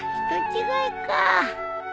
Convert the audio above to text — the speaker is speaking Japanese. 人違いか。